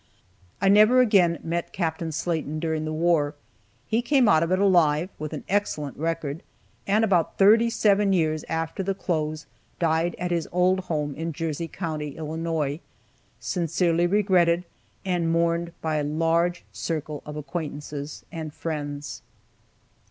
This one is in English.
I never again met Capt. Slaten during the war. He came out of it alive, with an excellent record, and about thirty seven years after the close died at his old home in Jersey county, Illinois, sincerely regretted and mourned by a large circle of acquaintances and friends.